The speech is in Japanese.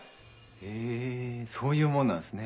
へぇそういうもんなんすね。